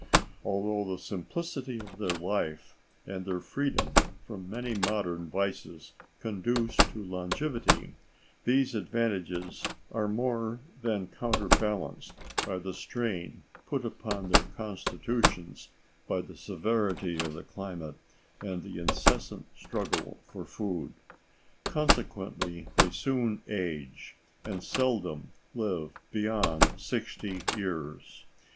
Although the simplicity of their life and their freedom from many modern vices conduce to longevity, these advantages are more than counterbalanced by the strain put upon their constitutions by the severity of the climate and the incessant struggle for food. Consequently they soon age, and seldom live beyond sixty years.